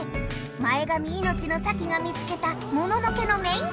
前髪いのちのサキが見つけたモノノ家のメインタンク